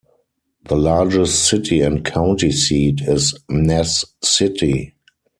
The largest city and county seat is Ness City.